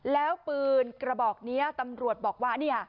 แล้วปืนกระบอกนี้ตำรวจบอกว่า